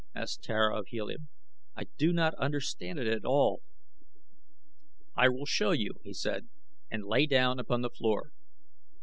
asked Tara of Helium. "I do not understand it at all." "I will show you," he said, and lay down upon the floor.